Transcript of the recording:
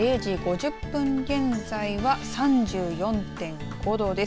０時５０分現在は３４．５度です。